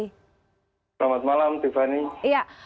selamat malam tiffany